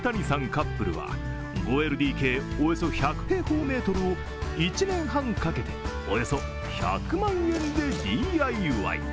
カップルは、５ＬＤＫおよそ１００平方メートルを１年半かけておよそ１００万円でＤＩＹ。